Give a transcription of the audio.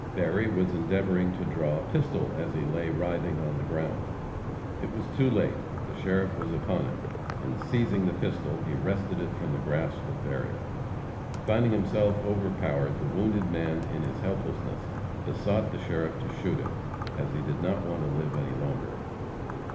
Berry was endeavoring to draw a pistol, as he lay writhing on the ground. It was too late; the sheriff was upon him, and, seizing the pistol, he wrested it from the grasp of Berry. Finding himself overpowered, the wounded man, in his helplessness, besought the sheriff to shoot him, as he did not want to live any longer.